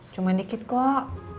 cuma dikit kok